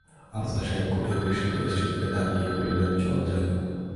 আফসার সাহেব কঠিন দৃষ্টিতে স্ত্রীর দিকে তাকিয়ে বললেন, চল যাই।